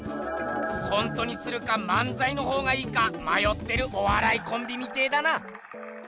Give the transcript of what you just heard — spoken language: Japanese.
コントにするか漫才のほうがいいかまよってるおわらいコンビみてえだな！